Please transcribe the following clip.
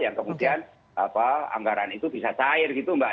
yang kemudian anggaran itu bisa cair gitu mbak